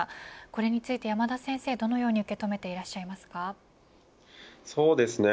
これについて山田先生どのように受け止めてそうですね